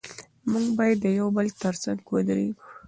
موږ باید د یو بل تر څنګ ودرېږو.